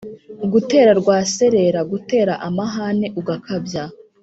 gutera rwaserera: gutera amhane ugakabya